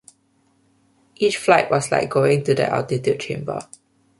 Each flight was like going to the altitude chamber.